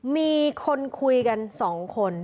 มีคนคุยกัน๒คน